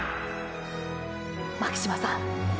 巻島さん！！